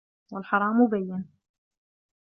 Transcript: وَالْحَرَامُ بَيِّنٌ